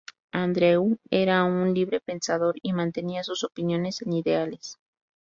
Andrew era un librepensador y mantenía sus opiniones e ideales.